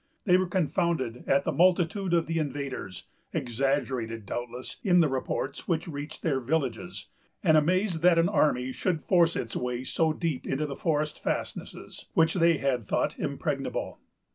They were confounded at the multitude of the invaders, exaggerated, doubtless, in the reports which reached their villages, and amazed that an army should force its way so deep into the forest fastnesses, which they had thought impregnable.